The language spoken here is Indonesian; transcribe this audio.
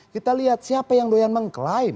kita lihat siapa yang doyan mengklaim